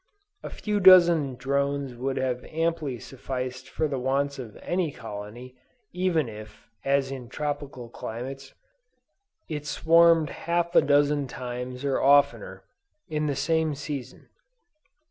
A few dozen drones would have amply sufficed for the wants of any colony, even if, (as in tropical climates,) it swarmed half a dozen times or oftener, in the same season.